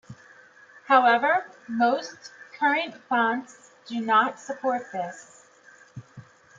However, most current fonts do not support this.